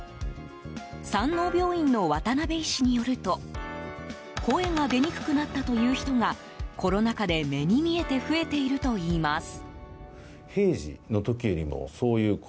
山王病院の渡邊医師によると声が出にくくなったという人がコロナ禍で、目に見えて増えているといいます。